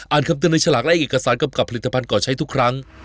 อ่านคำเติมในฉลักใส่อักษัตริย์กับผลิตภัณฑ์ก่อใช้ทุกครั้ง